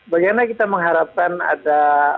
bagaimana kita mengharapkan ada